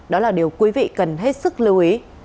đó là điều quý vị cần hết sức lưu ý